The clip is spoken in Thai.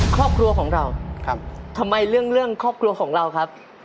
ครอบครัวของเราทำไมเรื่องเรื่องครอบครัวของเราครับ